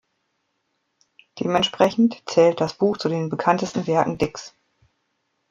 Dementsprechend zählt das Buch zu den bekanntesten Werken Dicks.